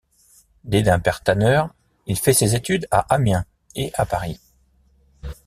Né d'un père tanneur, il fait ses études à Amiens et à Paris.